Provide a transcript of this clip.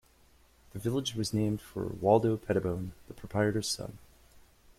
The village was named for Waldo Pettibone, the proprietor's son.